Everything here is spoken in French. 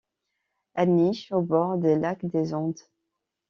Elle niche au bord des lacs des Andes.